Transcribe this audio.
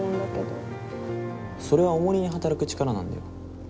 それはおもりに働く力なんだよ。